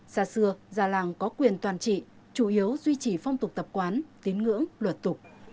xa xưa già làng có quyền toàn trị chủ yếu duy trì phong tục tập quán tín ngưỡng luật tục